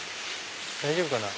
大丈夫かな？